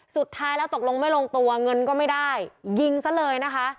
สุดท้ายแล้วตกลงไม่ลงตัวเงินก็ไม่ได้ยิงซะเลยนะคะ